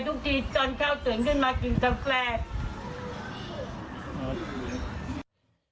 ทุกทีตอนข้าวตื่นขึ้นมากินตำแรก